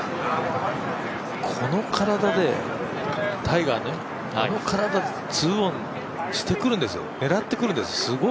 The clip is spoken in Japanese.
この体でタイガー、２オンしてくるんですよ、狙ってくるんです。